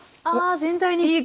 ああ全体に！